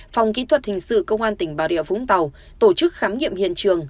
phòng kỹ thuật hình sự công an tỉnh bà rịa vũng tàu tổ chức khám nghiệm hiện trường